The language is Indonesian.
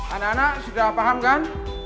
anak anak sudah paham kan